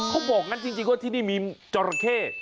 เขาบอกงั้นจริงว่าที่นี่มีจราเข้